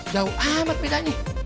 jauh amat bedanya